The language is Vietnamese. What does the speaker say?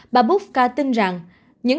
bà bufka tin rằng